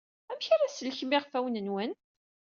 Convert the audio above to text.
Amek ara tsellkem iɣfawen-nwen?